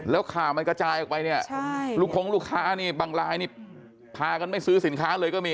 แล้วข่าวมันกระจายออกไปเนี่ยลูกคงลูกค้านี่บางรายนี่พากันไม่ซื้อสินค้าเลยก็มี